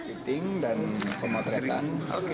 ini piting dan pemotretan